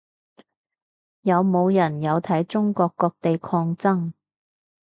有冇人有睇中國各地抗爭